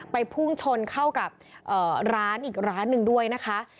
พุ่งชนเข้ากับร้านอีกร้านหนึ่งด้วยนะคะ